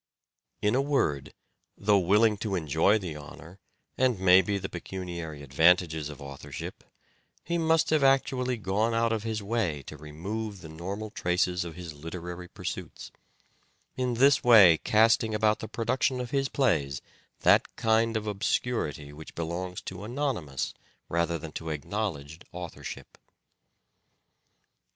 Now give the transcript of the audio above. In a word, though willing to enjoy the honour, and, maybe, the pecuniary advantages of authorship, he must have actually gone out of his way to remove the normal traces of his literary pursuits ; in this way casting about the production of his plays that kind of obscurity which belongs to anonymous rather than to acknowledged authorship.